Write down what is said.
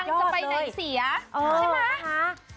ปังจะไปในเสียใช่มั้ยคะ